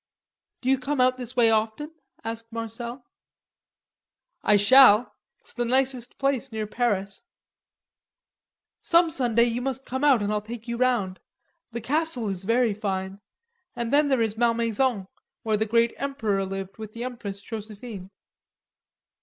"Do you come out this way often?" asked Marcel. "I shall. It's the nicest place near Paris." "Some Sunday you must come and I'll take you round. The Castle is very fine. And then there is Malmaison, where the great Emperor lived with the Empress Josephine."